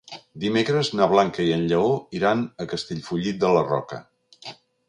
Dimecres na Blanca i en Lleó iran a Castellfollit de la Roca.